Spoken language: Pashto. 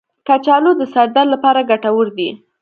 کچالو د سر درد لپاره ګټور دی.